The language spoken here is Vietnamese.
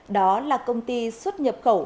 đó là công ty xuất nhập khẩu